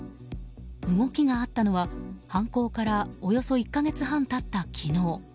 動きがあったのは、犯行からおよそ１か月半経った昨日。